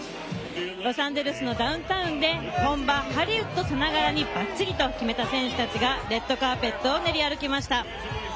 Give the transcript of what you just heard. ロサンゼルスのダウンタウンで本場・ハリウッドさながらにばっちりと決めた選手たちがレッドカーペットを練り歩きました。